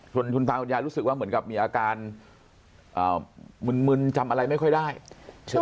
คุณตาคุณยายรู้สึกว่าเหมือนกับมีอาการมึนมึนจำอะไรไม่ค่อยได้ใช่ไหม